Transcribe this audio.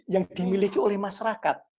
yang dimiliki oleh masyarakat